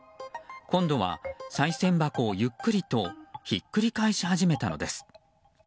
今度はさい銭箱をゆっくりとひっくり返し始めたのです。